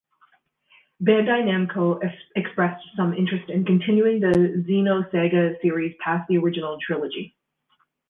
Bandai Namco expressed some interest in continuing the "Xenosaga" series past the original trilogy.